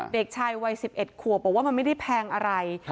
เด็กชายวัย๑๑ขวบบอกว่ามันไม่ได้แพงอะไร